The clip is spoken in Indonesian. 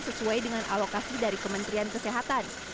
sesuai dengan alokasi dari kementerian kesehatan